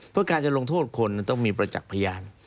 เพราะการจะลงโทษคนต้องมีประจักษ์พยาน